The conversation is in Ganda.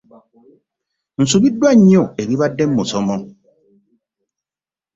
Nsubiddwa nnyo ebibadde mu musomo.